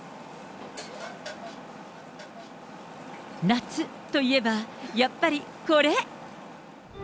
夏、といえば、やっぱりこれ。